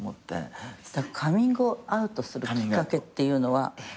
カミングアウトするきっかけっていうのは。